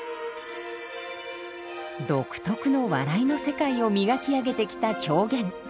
独特の笑いの世界を磨き上げてきた狂言。